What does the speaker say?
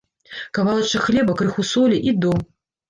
Кавалачак хлеба, крыху солі, і до!